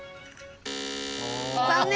残念！